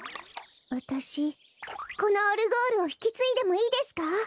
わたしこのオルゴールをひきついでもいいですか？